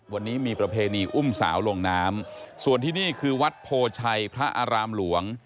วันนี้มีประเพณีอุ้มสาวลงน้ำส่วนที่นี่คือวัดโพชัยพระอารามหลวง